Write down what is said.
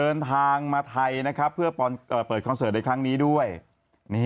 อีแท็กมันยังช่างหกเกลือพักก่อนเดี๋ยวกลับมาใหม่